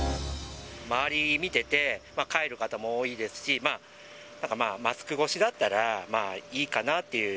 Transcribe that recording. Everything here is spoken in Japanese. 周り見てて、帰る方も多いですし、なんかまあ、マスク越しだったら、まあいいかなという。